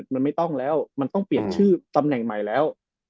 มันไม่ต้องแล้วมันต้องเปลี่ยนชื่อตำแหน่งใหม่แล้ว